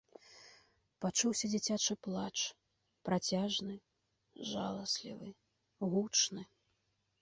Пачуўся дзіцячы плач, працяжны, жаласлівы, гучны.